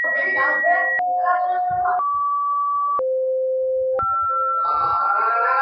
官至按察司副使。